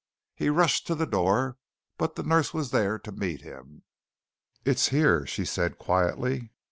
He rushed to the door, but the nurse was there to meet him. "It's here," she said quietly.